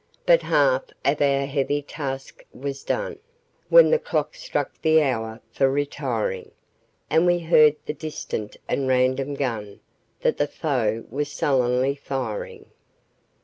But half of our heavy task was done When the clock struck the hour for retiring; And we heard the distant and random gun That the foe was sullenly firing.